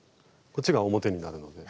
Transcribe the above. こっちが表になるので。